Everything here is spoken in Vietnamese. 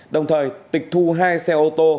đồng thời tịch thu hai xe ô tô